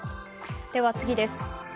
では次です。